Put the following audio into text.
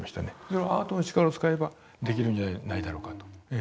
それはアートの力を使えばできるんじゃないだろうかと。